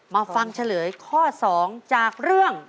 มาฟังเฉลยข้อ๒จากเรื่อง